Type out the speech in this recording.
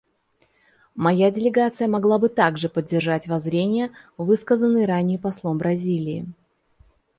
Моя делегация могла бы также поддержать воззрения, высказанные ранее послом Бразилии.